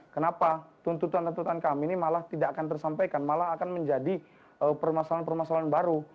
kenapa tuntutan tuntutan kami ini malah tidak akan tersampaikan malah akan menjadi permasalahan permasalahan baru